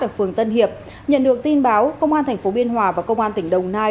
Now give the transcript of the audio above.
ở phường tân hiệp nhận được tin báo công an tp biên hòa và công an tỉnh đồng nai